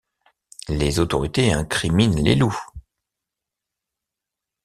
Les autorités incriminent les loups.